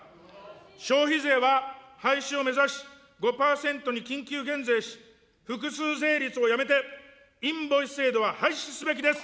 消費税は廃止を目指し、５％に緊急減税し、複数税率をやめて、インボイス制度は廃止すべきです。